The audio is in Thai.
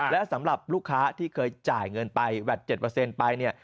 และสำหรับลูกค้าที่เคยจ่ายเงินไปแวด๗ไปเนี่ย